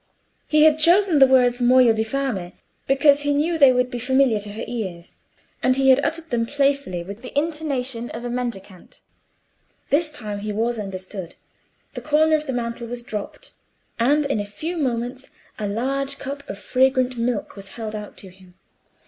He had chosen the words "muoio di fame" because he knew they would be familiar to her ears; and he had uttered them playfully, with the intonation of a mendicant. This time he was understood; the corner of the mantle was dropped, and in a few moments a large cup of fragrant milk was held out to him.